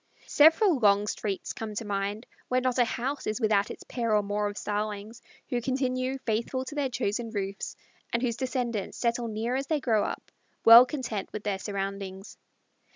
Several long streets come to mind where not a house is without its pair or more of Starlings, who continue faithful to their chosen roofs, and whose descendants settle near as they grow up, well content with their surroundings.